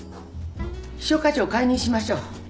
秘書課長解任しましょう。